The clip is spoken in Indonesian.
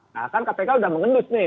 nah kan kpk sudah mengendus nih